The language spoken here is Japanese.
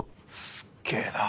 すっげえな。